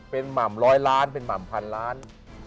เป็นหม่ำร้อยล้านเป็นหม่ำพันล้าน